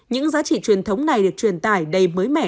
những giá trị truyền thống này được truyền tải đầy mới mẻ